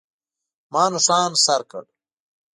ما نښان سر کړ.